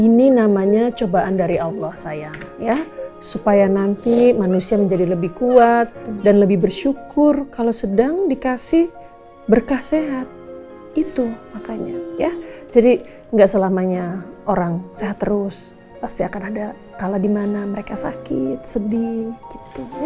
ini namanya cobaan dari allah sayang ya supaya nanti manusia menjadi lebih kuat dan lebih bersyukur kalau sedang dikasih berkah sehat itu makanya ya jadi enggak selamanya orang sehat terus pasti akan ada kalah dimana mereka sakit sedih gitu ya